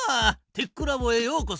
テックラボへようこそ。